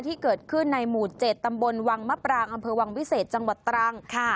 ที่เกิดขึ้นในหมู่๗ตำบลวังมะปรางอำเภอวังวิเศษจังหวัดตรัง